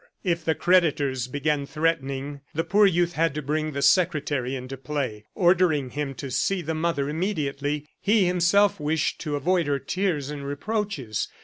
If the creditors began threatening, the poor youth had to bring the secretary into play, ordering him to see the mother immediately; he himself wished to avoid her tears and reproaches.